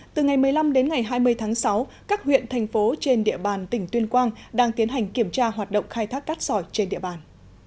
từ ngày một mươi năm đến ngày hai mươi tháng sáu các huyện thành phố trên địa bàn tỉnh tuyên quang đang tiến hành kiểm tra hoạt động khai thác cát sỏi trên địa bàn